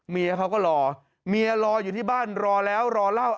เมียเขาก็รอเมียรออยู่ที่บ้านรอแล้วรอเล่า